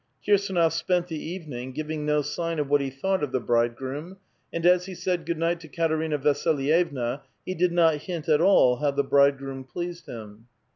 Kirsdnof spent the evening, giving no sign of what he thought of the '' bride groom," and as he said good night to Katerina Vasilyevna, he did not hint at all how the bridegroom pleased him.